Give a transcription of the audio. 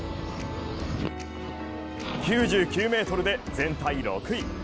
９９ｍで全体６位